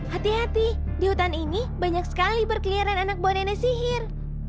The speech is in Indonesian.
hati hati di hutan ini banyak sekali berkeliaran anak buah nenek sihir